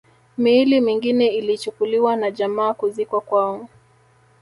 Miili mingine ilichukuliwa na jamaa kuzikwa kwao